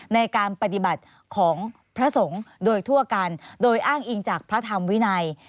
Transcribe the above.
ในการปฏิบัติของพระสงฆ์โดยทั่วกันโดยอ้างอิงจากพระธรรมวินัย